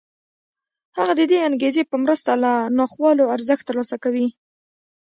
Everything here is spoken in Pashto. هغه د دې انګېزې په مرسته له ناخوالو ارزښت ترلاسه کوي